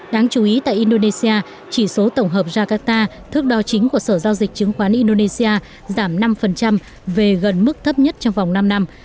đáng chú ý tại indonesia chỉ số tổng hợp jakarta thước đo chính của sở giao dịch chứng khoán indonesia giảm năm về gần mức thấp nhất trong vòng năm năm